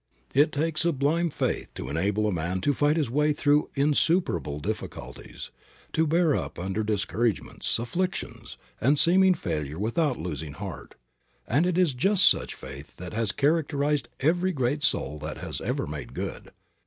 It takes sublime faith to enable a man to fight his way through "insuperable" difficulties, to bear up under discouragements, afflictions and seeming failure without losing heart; and it is just such faith that has characterized every great soul that has ever made good.